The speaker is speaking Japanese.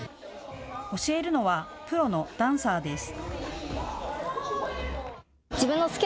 教えるのはプロのダンサーです。